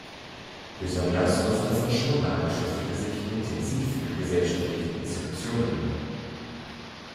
Besonders Gustav von Schmoller beschäftigte sich intensiv mit gesellschaftlichen Institutionen.